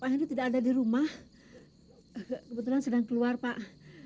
kebetulan sedang keluar pak